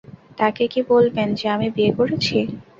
তাকে কি বলবেন যে আমি বিয়ে করেছি?